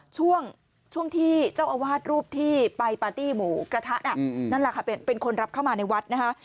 ช่วงที่เจ้าอาวาสรูปที่ไปปาร์ตี้หมูกระทะน่ะนั่นแหละค่ะเป็นคนรับเข้ามาในวัดนะคะ